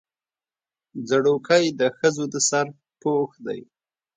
ځړوکی د ښځو د سر پوښ دی